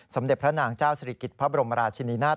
สมเด็จพระนางเจ้าศิริกิจพระบรมราชินินาศ